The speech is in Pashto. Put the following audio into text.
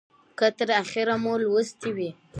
که تر اخیره مو لوستې وي